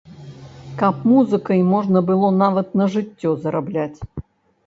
Каб музыкай можна было нават на жыццё зарабляць.